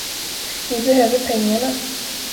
Vi behöver pengarna.